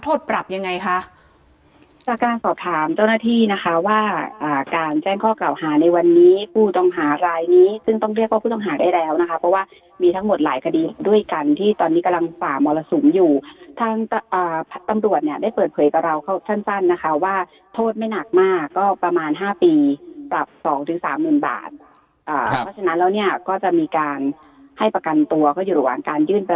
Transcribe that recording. โดยประมาณ๖โมงครึ่งโดยประมาณ๖โมงครึ่งโดยประมาณ๖โมงครึ่งโดยประมาณ๖โมงครึ่งโดยประมาณ๖โมงครึ่งโดยประมาณ๖โมงครึ่งโดยประมาณ๖โมงครึ่งโดยประมาณ๖โมงครึ่งโดยประมาณ๖โมงครึ่งโดยประมาณ๖โมงครึ่งโดยประมาณ๖โมงครึ่งโดยประมาณ๖โมงครึ่งโดยประมาณ๖โมงครึ่งโดยประมาณ๖โมงคร